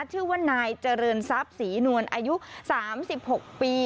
ชื่อว่านายเจริญทรัพย์ศรีนวลอายุ๓๖ปี